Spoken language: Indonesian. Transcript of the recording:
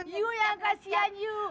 you yang kasian you